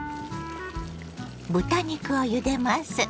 豚肉をゆでます。